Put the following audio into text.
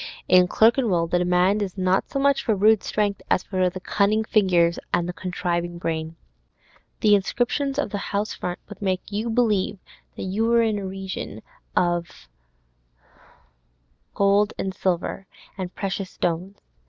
In Clerkenwell the demand is not so much for rude strength as for the cunning fingers and the contriving brain. The inscriptions on the house fronts would make you believe that you were in a region of gold and silver and precious stones.